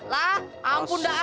lah ampun dah